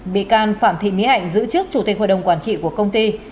bị can phạm thị mỹ hạnh giữ trước chủ tịch hội đồng quản trị của công ty